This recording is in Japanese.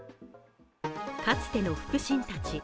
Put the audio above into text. かつての腹心たち。